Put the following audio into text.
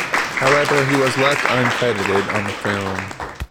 However, he was left uncredited on the film.